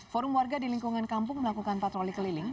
forum warga di lingkungan kampung melakukan patroli keliling